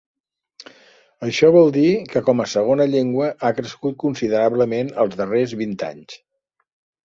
Això vol dir que, com a segona llengua, ha crescut considerablement els darrers vint anys.